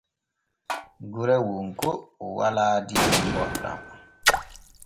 Gure wonko walaa diyam boɗɗam.